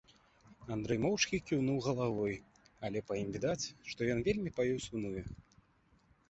Андрэй моўчкі кіўнуў галавой, але па ім відаць, што ён вельмі па ёй сумуе.